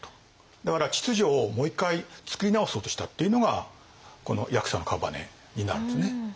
だから秩序をもう一回作り直そうとしたっていうのがこの八色の姓になるんですね。